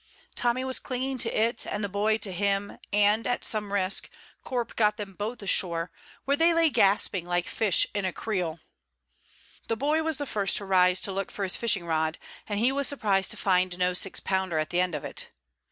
Tommy was clinging to it, and the boy to him, and, at some risk, Corp got them both ashore, where they lay gasping like fish in a creel. The boy was the first to rise to look for his fishing rod, and he was surprised to find no six pounder at the end of it.